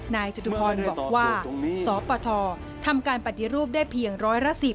จตุพรบอกว่าสปททำการปฏิรูปได้เพียงร้อยละ๑๐